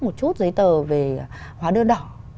một chút giấy tờ về hóa đưa đỏ